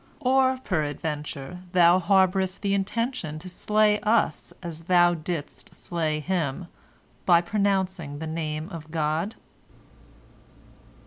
Or, peradventure, thou harborest the intention to slay us as thou didst slay him, by pronouncing the Name of God?"